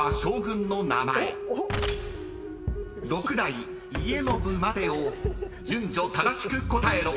［六代家宣までを順序正しく答えろ］